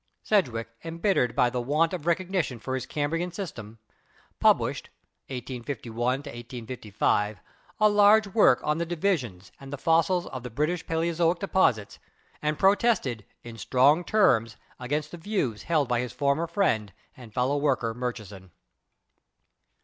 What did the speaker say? Sedgwick, embittered by the want of recognition for his Cambrian system, published (1851 1855) a large work on the divisions and the fossils of the British Paleozoic deposits and protested in strong terms against the views held by his former friend and fellow worker Murchison.